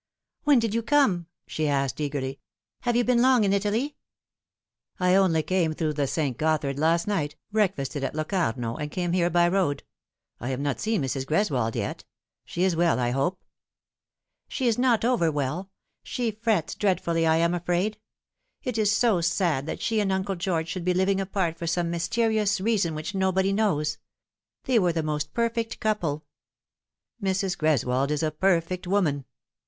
"When did you come?" she asked eagerly. "Have you been long in Italy ?"" I only came through the St. Gothard last night, breakfasted at Locarno, and came here by road. I have not seen Mrs. Greswold yet. She is well, I hope ?"" She is not over well. She frets dreadfully, I am afraid. It is so sad that she and Uncle George should be living apart O 210 Th Fatal Three. for some mysterious reason which nobody knows. They were the most perfect couple." " Mrs. Greswold is a perfect woman."